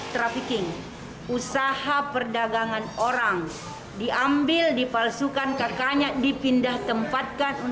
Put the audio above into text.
trafficking usaha perdagangan orang diambil dipalsukan kakaknya dipindah tempatkan